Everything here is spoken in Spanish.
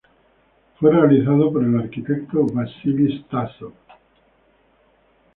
Fue realizado por el arquitecto Vasili Stásov.